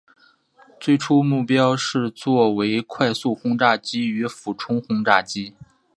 最初目标是作为快速轰炸机与俯冲轰炸机。